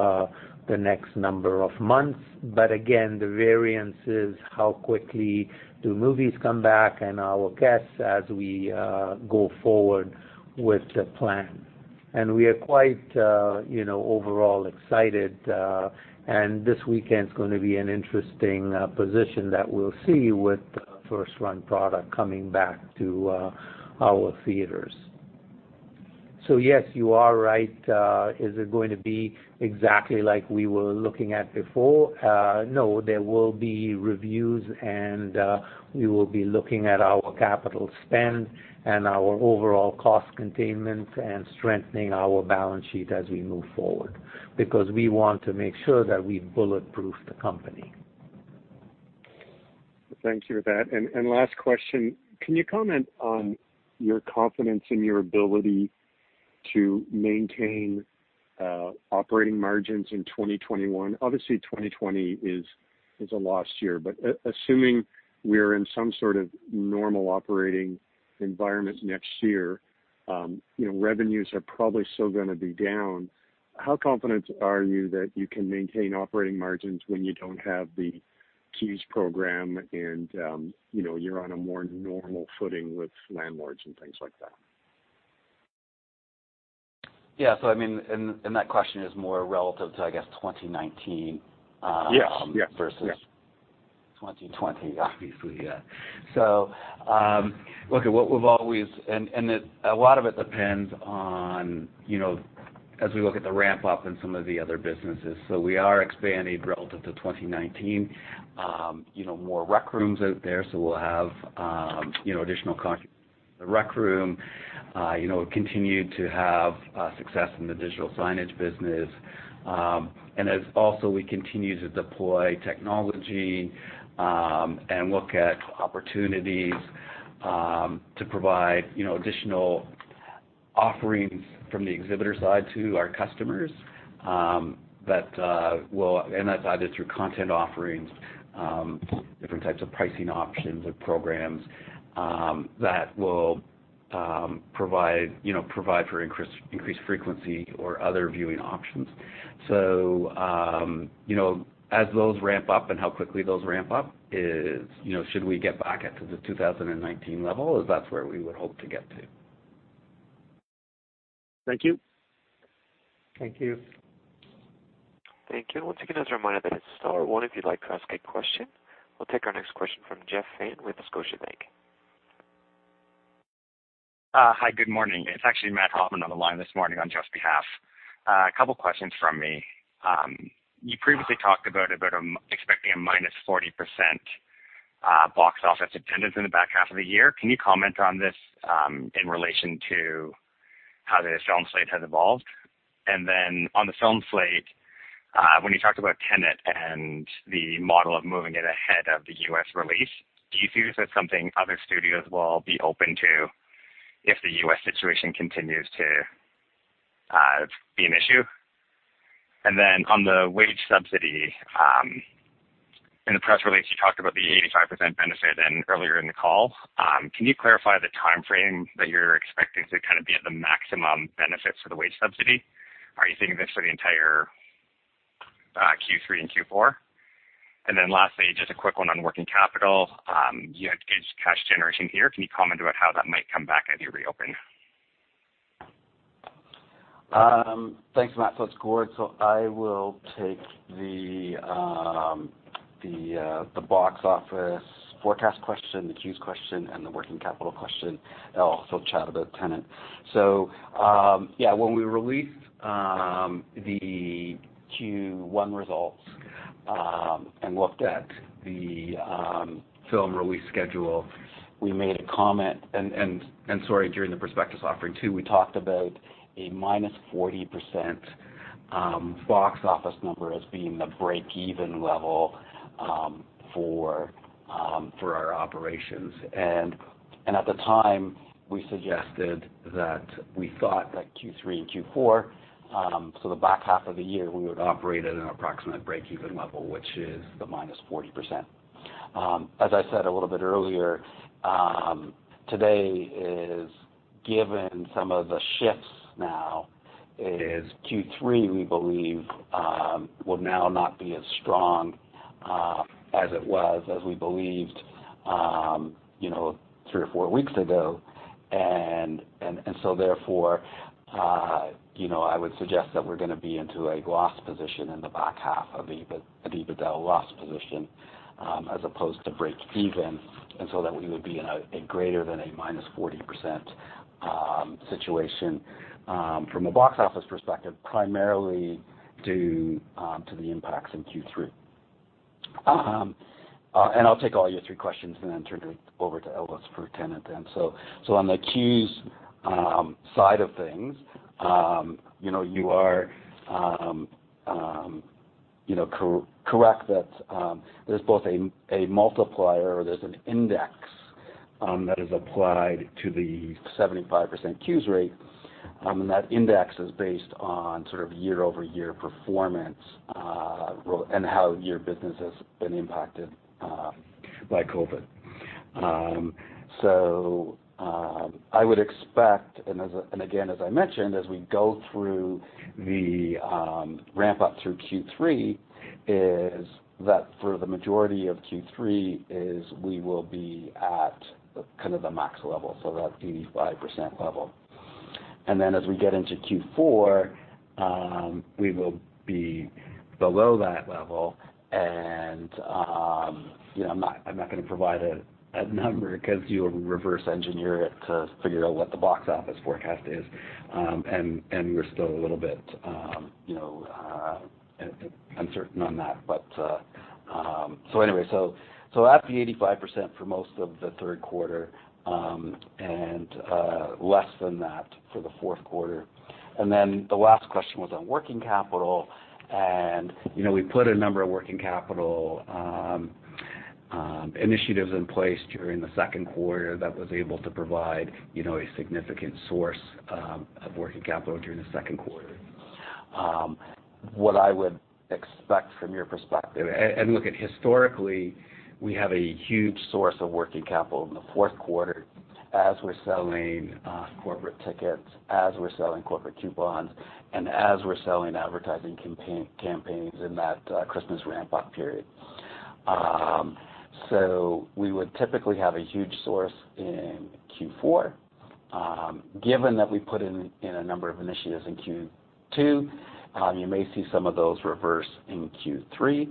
the next number of months. Again, the variance is how quickly do movies come back and our guests as we go forward with the plan. We are quite overall excited. This weekend's going to be an interesting position that we'll see with first-run product coming back to our theaters. Yes, you are right. Is it going to be exactly like we were looking at before? No. There will be reviews and we will be looking at our capital spend and our overall cost containment and strengthening our balance sheet as we move forward because we want to make sure that we bulletproof the company.
Thank you for that. Last question. Can you comment on your confidence in your ability to maintain operating margins in 2021? Obviously 2020 is a lost year, but assuming we're in some sort of normal operating environment next year, revenues are probably still going to be down. How confident are you that you can maintain operating margins when you don't have the CEWS program and you're on a more normal footing with landlords and things like that?
Yeah. That question is more relative to, I guess, 2019 versus 2020, obviously. Yeah. Look, a lot of it depends on as we look at the ramp-up in some of the other businesses. We are expanding relative to 2019. More Rec Rooms out there, we'll have additional content in The Rec Room. We continue to have success in the digital signage business. As also we continue to deploy technology and look at opportunities to provide additional offerings from the exhibitor side to our customers. That's either through content offerings, different types of pricing options or programs that will provide for increased frequency or other viewing options. As those ramp up and how quickly those ramp up is should we get back up to the 2019 level is that's where we would hope to get to.
Thank you.
Thank you.
Thank you. Once again, just a reminder that it's star one if you'd like to ask a question. We'll take our next question from Jeff Fan with Scotiabank.
Hi, good morning. It's actually Matt Hoffman on the line this morning on Jeff's behalf. A couple questions from me. You previously talked about expecting a -40% box office attendance in the back half of the year. Can you comment on this in relation to how the film slate has evolved? On the film slate, when you talked about Tenet and the model of moving it ahead of the U.S. release, do you see this as something other studios will be open to if the U.S. situation continues to be an issue? On the wage subsidy, in the press release, you talked about the 85% benefit and earlier in the call. Can you clarify the timeframe that you're expecting to be at the maximum benefit for the wage subsidy? Are you thinking this for the entire Q3 and Q4? Lastly, just a quick one on working capital. You had gained cash generation here. Can you comment about how that might come back as you reopen?
Thanks, Matt. It's Gord. I will take the box office forecast question, the CEWS question, and the working capital question. I'll also chat about Tenet. Yeah, when we released the Q1 results and looked at the film release schedule, we made a comment, and sorry, during the prospectus offering too, we talked about a -40% box office number as being the breakeven level for our operations. At the time, we suggested that we thought that Q3 and Q4, the back half of the year, we would operate at an approximate breakeven level, which is the -40%. As I said a little bit earlier, today is given some of the shifts now is Q3 we believe will now not be as strong as it was as we believed three or four weeks ago. Therefore I would suggest that we're going to be into a loss position in the back half of EBITDA, loss position as opposed to breakeven, so that we would be in a greater than a -40% situation from a box office perspective, primarily due to the impacts in Q3. I'll take all your three questions and then turn it over to Ellis for Tenet then. On the Qs side of things, you are correct that there's both a multiplier or there's an index that is applied to the 75% Qs rate. That index is based on sort of year-over-year performance, and how your business has been impacted by COVID-19. I would expect, and again, as I mentioned, as we go through the ramp-up through Q3, is that for the majority of Q3 is we will be at kind of the max level, so that 85% level. Then as we get into Q4, we will be below that level. I'm not going to provide a number because you will reverse engineer it to figure out what the box office forecast is. We're still a little bit uncertain on that. Anyway, at the 85% for most of the third quarter, and less than that for the fourth quarter. Then the last question was on working capital. We put a number of working capital initiatives in place during the second quarter that was able to provide a significant source of working capital during the second quarter. What I would expect from your perspective, and look at historically, we have a huge source of working capital in the fourth quarter as we're selling corporate tickets, as we're selling corporate coupons, and as we're selling advertising campaigns in that Christmas ramp-up period. We would typically have a huge source in Q4. Given that we put in a number of initiatives in Q2, you may see some of those reverse in Q3.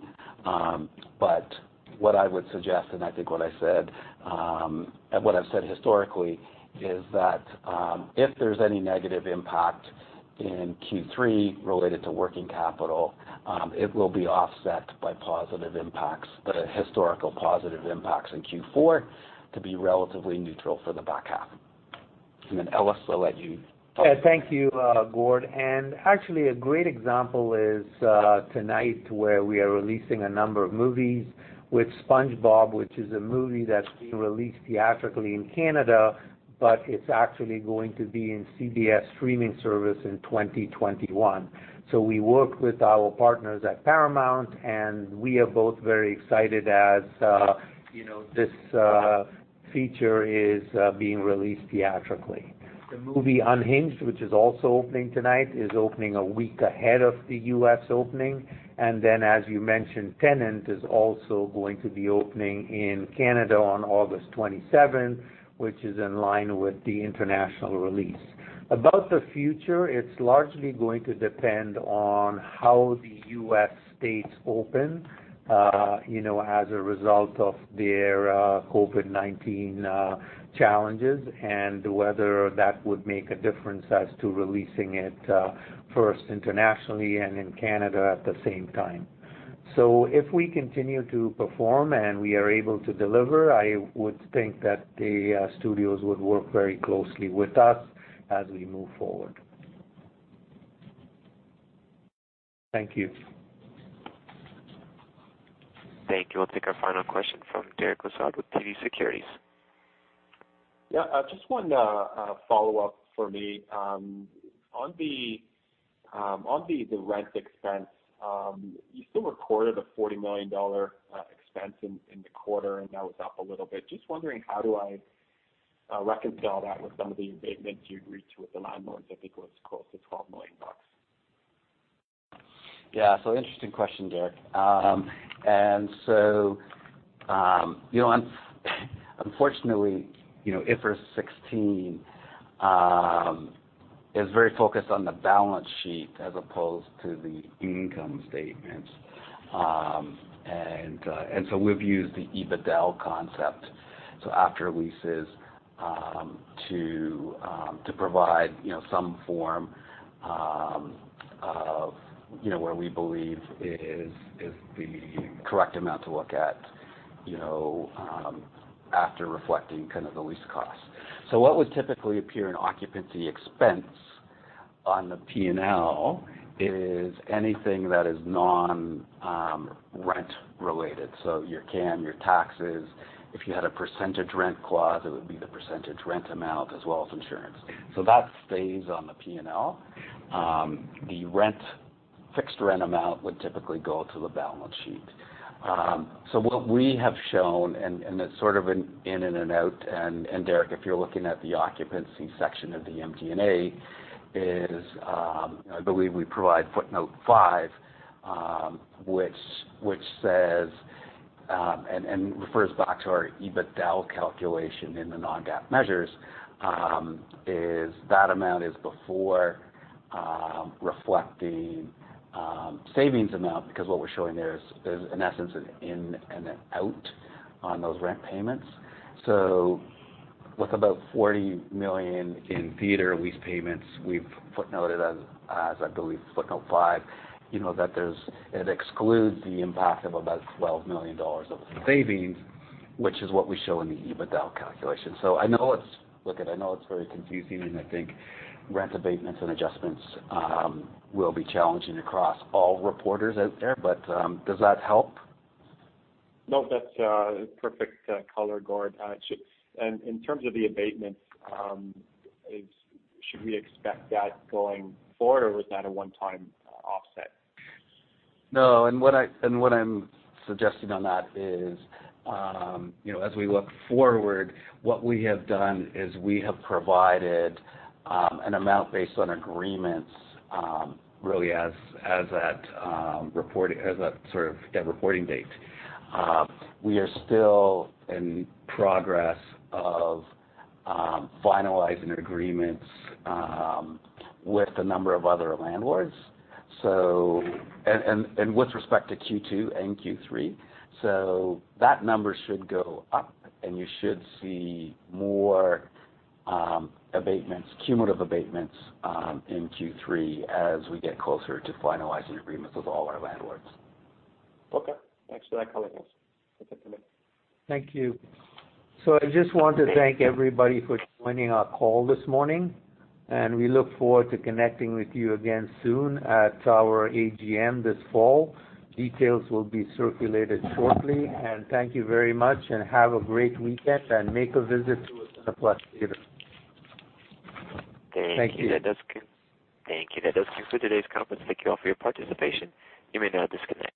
What I would suggest, and I think what I said, and what I've said historically, is that if there's any negative impact in Q3 related to working capital, it will be offset by positive impacts, the historical positive impacts in Q4 to be relatively neutral for the back half. Ellis, I'll let you on.
Thank you, Gord. Actually a great example is tonight where we are releasing a number of movies with SpongeBob, which is a movie that's being released theatrically in Canada, but it's actually going to be in CBS streaming service in 2021. We work with our partners at Paramount, and we are both very excited as this feature is being released theatrically. The movie Unhinged, which is also opening tonight, is opening a week ahead of the U.S. opening. As you mentioned, Tenet is also going to be opening in Canada on August 27th, which is in line with the international release. About the future, it's largely going to depend on how the U.S. states open as a result of their COVID-19 challenges and whether that would make a difference as to releasing it first internationally and in Canada at the same time. If we continue to perform and we are able to deliver, I would think that the studios would work very closely with us as we move forward. Thank you.
Thank you. We'll take our final question from Derek Lessard with TD Securities.
Yeah, just one follow-up for me. On the rent expense, you still recorded a 40 million dollar expense in the quarter. That was up a little bit. Just wondering how do I reconcile that with some of the abatements you'd reached with the landlords, I think was close to CAD 12 million.
Yeah. Interesting question, Derek. Unfortunately, IFRS 16 is very focused on the balance sheet as opposed to the income statements. We've used the EBITDAaL concept, so after-leases to provide some form of what we believe is the correct amount to look at after reflecting kind of the lease cost. What would typically appear in occupancy expense on the P&L is anything that is non-rent related. Your CAM, your taxes. If you had a percentage rent clause, it would be the percentage rent amount as well as insurance. That stays on the P&L. The fixed rent amount would typically go to the balance sheet. What we have shown, and it's sort of an in and an out, and Derek, if you're looking at the occupancy section of the MD&A, I believe we provide footnote five, which says and refers back to our EBITDAaL calculation in the non-GAAP measures, that amount is before reflecting savings amount because what we're showing there is in essence an in and an out on those rent payments. With about 40 million in theater lease payments, we've footnoted as I believe footnote five, that it excludes the impact of about 12 million dollars of savings, which is what we show in the EBITDAaL calculation. I know it's very confusing, and I think rent abatements and adjustments will be challenging across all reporters out there. Does that help?
No, that's a perfect color, Gord. In terms of the abatements, should we expect that going forward or was that a one-time offset?
No, what I'm suggesting on that is as we look forward, what we have done is we have provided an amount based on agreements really as that sort of reporting date. We are still in progress of finalizing agreements with a number of other landlords with respect to Q2 and Q3. That number should go up and you should see more abatements, cumulative abatements in Q3 as we get closer to finalizing agreements with all our landlords.
Okay. Thanks for that color, Gord. That's it for me.
Thank you. I just want to thank everybody for joining our call this morning, and we look forward to connecting with you again soon at our AGM this fall. Details will be circulated shortly. Thank you very much and have a great weekend, and make a visit to a Cineplex theater.
Thank you.
Thank you.
Thank you. That does conclude today's conference. Thank you all for your participation. You may now disconnect.